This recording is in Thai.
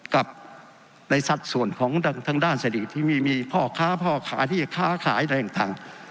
กับในสัตว์ส่วนของทางด้านสถิติที่มีพ่อค้าพ่อขาที่ค้าขายในทาง